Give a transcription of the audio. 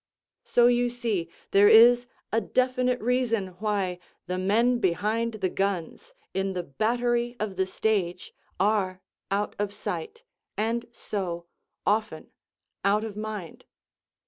So you see there is a definite reason why the "men behind the guns" in the battery of the stage are out of sight and so, often, out of mind.